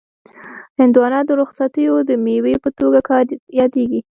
هندوانه د رخصتیو د مېوې په توګه یادیږي.